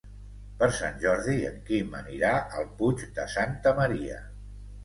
Per Sant Jordi en Quim anirà al Puig de Santa Maria.